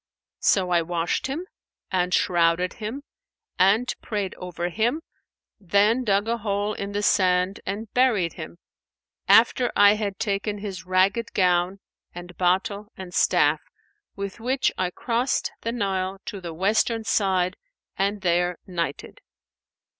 So I washed him and shrouded him and prayed over him, then dug a hole in the sand and buried him, after I had taken his ragged gown and bottle and staff, with which I crossed the Nile to the western side and there nighted.